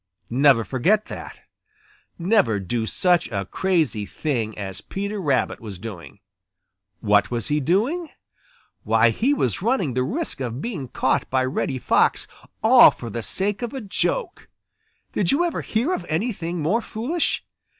Never forget that. Never do such a crazy thing as Peter Rabbit was doing. What was he doing? Why, he was running the risk of being caught by Reddy Fox all for the sake of a joke. Did you ever hear of anything more foolish?